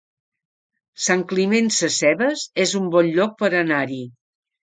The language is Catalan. Sant Climent Sescebes es un bon lloc per anar-hi